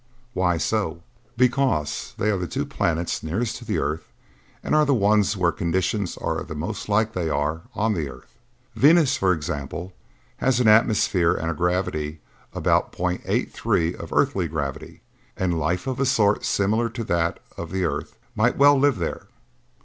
"Why so?" "Because they are the two planets nearest to the earth and are the ones where conditions are the most like they are on the earth. Venus, for example, has an atmosphere and a gravity about .83 of earthly gravity, and life of a sort similar to that of the earth might well live there.